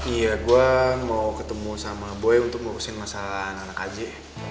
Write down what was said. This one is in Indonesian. iya gua mau ketemu sama boy untuk ngurusin masalah anak anak aja